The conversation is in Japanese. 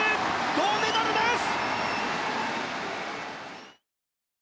銅メダルです！